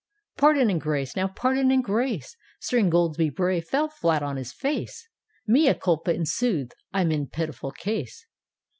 "—" Pardon and grace !— now pardon and grace !"— Sir Ingoldsby Bray fell flat on his face —" Mea culpa! — in sooth I'm in pitiful case.